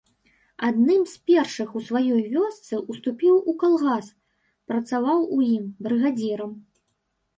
Адным з першых у сваёй вёсцы уступіў у калгас, працаваў у ім брыгадзірам.